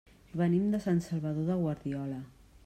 Venim de Sant Salvador de Guardiola.